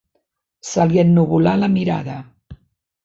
Se li ennuvolà la mirada.